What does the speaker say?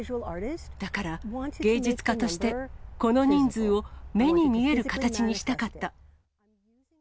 だから、芸術家として、この人数を目に見える形にしたかった。